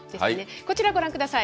こちらご覧ください。